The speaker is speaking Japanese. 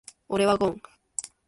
俺はゴン。